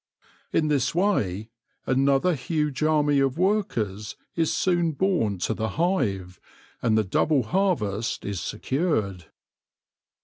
In this way another huge army of workers is soon born to the hive, and the double harvest is secured.